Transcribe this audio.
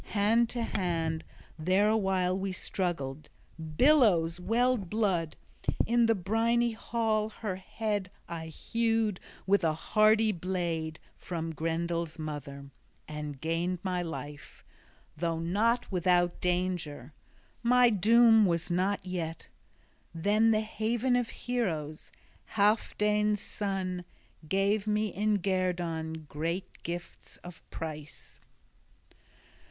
Hand to hand there a while we struggled; billows welled blood; in the briny hall her head I hewed with a hardy blade from Grendel's mother, and gained my life, though not without danger. My doom was not yet. Then the haven of heroes, Healfdene's son, gave me in guerdon great gifts of price.